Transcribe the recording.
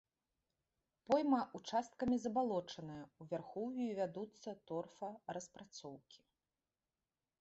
Пойма ўчасткамі забалочаная, у вярхоўі вядуцца торфараспрацоўкі.